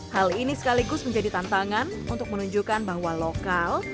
hal ini sekaligus menjadi tantangan untuk menunjukkan bahwa lokal